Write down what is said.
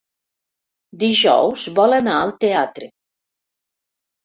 Dijous vol anar al teatre.